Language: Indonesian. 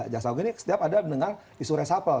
jaksa hukum ini setiap ada dengan isu resapel